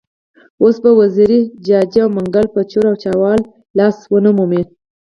اوس به وزیري، جاجي او منګل په چور او چپاول لاس ونه مومي.